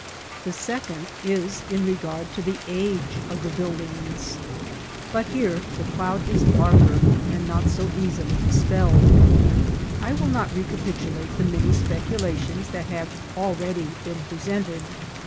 The second is in regard to the age of the buildings ; but here the cloud is darker, and not so easily dispelled. I will not recapitulate the many speculations that have already been presented.